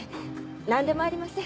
なんでもありません。